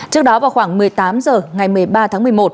trước đó vào khoảng một mươi tám h ngày một mươi ba tháng một mươi một